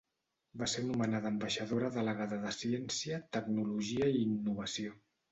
Va ser nomenada ambaixadora delegada de Ciència, Tecnologia i Innovació.